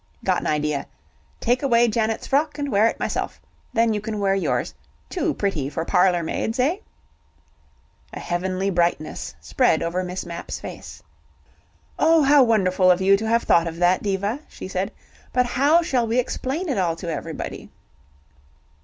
"Got an idea. Take away Janet's frock, and wear it myself. Then you can wear yours. Too pretty for parlourmaids. Eh?" A heavenly brightness spread over Miss Mapp's face. "Oh, how wonderful of you to have thought of that, Diva," she said. "But how shall we explain it all to everybody?"